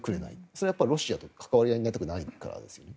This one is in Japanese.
それはやっぱりロシアと関わり合いになりたくないからですね。